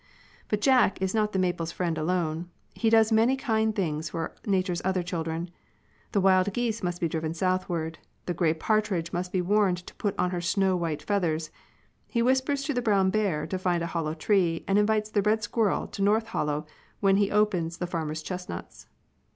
But Jack is not the maple's friend alone ; he does many kind things for nature's other children. The wild geese must be driven southward; the gray partridge must be warned to put on her snow white feathers; he whispers to the brown bear to find a hollow tree, and invites the red squirrel to North Hollow when he opens the farmer s chestnuts.